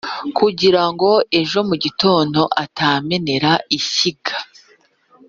kugira ngo ejo mu gitondo atamenera ishyiga